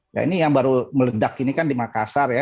ya ini yang baru meledak ini kan di makassar ya